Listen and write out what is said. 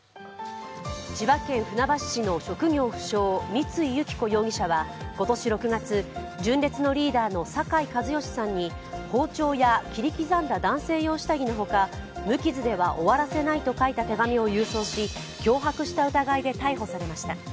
千葉県船橋市の職業不詳、三井由起子容疑者は今年６月、純烈のリーダーの酒井一圭さんに包丁や切り刻んだ男性用下着の他、無傷では終わらせないと書いた手紙を郵送し脅迫した疑いで逮捕されました。